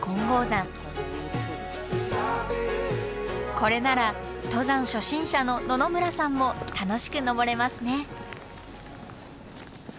これなら登山初心者の野々村さんも楽しく登れますね。